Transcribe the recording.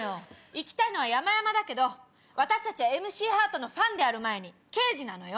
行きたいのはやまやまだけど私たちはＭＣハートのファンである前に刑事なのよ。